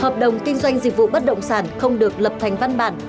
hợp đồng kinh doanh dịch vụ bất động sản không được lập thành văn bản